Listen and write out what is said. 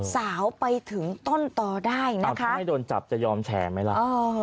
สาวไปถึงต้นต่อได้นะคะถ้าไม่โดนจับจะยอมแฉไหมล่ะ